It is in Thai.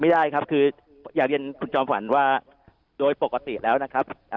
ไม่ได้ครับคืออยากเรียนคุณจอมฝันว่าโดยปกติแล้วนะครับ